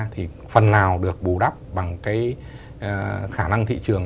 thì phần nào được bù đắp bằng cái khả năng thị trường